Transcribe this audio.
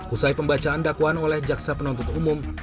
usai pembacaan dakwaan oleh jaksa penuntut umum